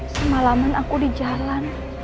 semalaman aku di jalan